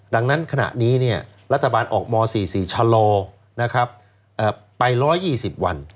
ดังนั้นขณะนี้รัฐบาลออกม๔๔ชะลอไป๑๒๐วัน